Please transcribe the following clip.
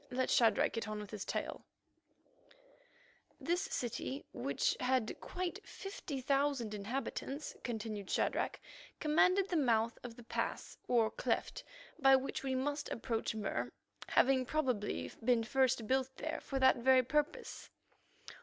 Let Shadrach get on with his tale." This city, which had quite fifty thousand inhabitants, continued Shadrach, commanded the mouth of the pass or cleft by which we must approach Mur, having probably been first built there for that very purpose.